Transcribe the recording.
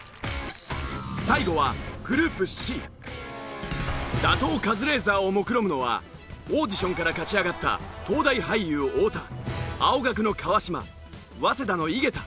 最後は打倒カズレーザーを目論むのはオーディションから勝ち上がった東大俳優太田青学の川島早稲田の井桁。